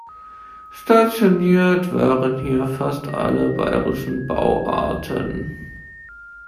Stationiert waren hier fast alle bayrischen Bauarten.